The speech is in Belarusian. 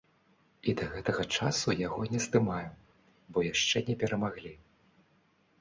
І да гэтага часу яго не здымаю, бо яшчэ не перамаглі.